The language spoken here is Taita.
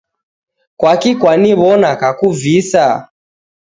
Kwaki kwaniwona kakuvisa?